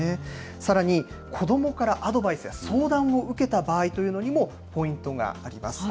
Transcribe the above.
さらに、子どもからアドバイスや相談を受けた場合というのにも、ポイントがあります。